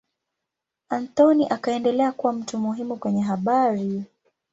Anthony akaendelea kuwa mtu muhimu kwenye habari.